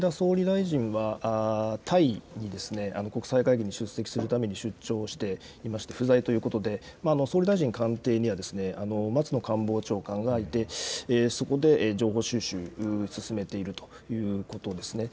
岸田総理大臣はタイ、国際会議へ出張をしていまして不在ということで、総理大臣官邸には松野官房長官がいてそこで情報収集を進めているということですね。